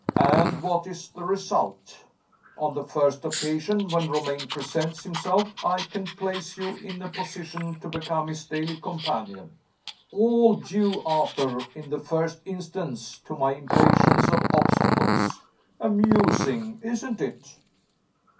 And what is the result? On the first occasion when Romayne presents himself I can place you in a position to become his daily companion. All due, Arthur, in the first instance, to my impatience of obstacles. Amusing, isn't it?"